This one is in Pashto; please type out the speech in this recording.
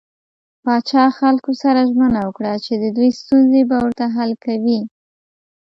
پاچا خلکو سره ژمنه وکړه چې د دوي ستونزې به ورته حل کوي .